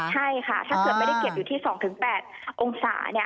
ใช่ค่ะถ้าเกิดไม่ได้เก็บอยู่ที่๒๘องศา